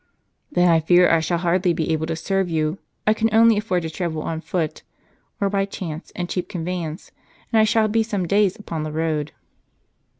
" Then 1 fear I shall hardly be able to serve you. I can only afford to travel on foot, or by chance and cheap convey ance, and I shall be some days upon the road."